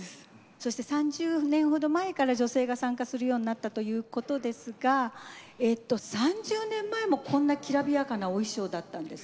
そして３０年ほど前から女性が参加するようになったということですがえと３０年前もこんなきらびやかなお衣装だったんですか？